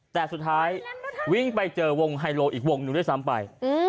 แต่สุดท้ายวิ่งไปเจอวงไฮโลอีกวงหนึ่งด้วยซ้ำไป